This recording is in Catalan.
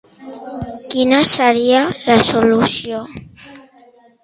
I quina seria la solució?